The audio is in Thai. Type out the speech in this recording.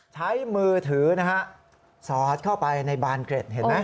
ใช้มือถือนะฮะสอดเข้าไปในบานเกร็ดเห็นไหม